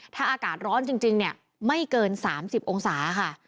ถ้าอากาศร้อนจริงเนี่ยไม่เกิน๓๐องศาค่ะ